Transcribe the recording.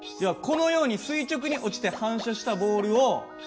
このように垂直に落ちて反射したボールを。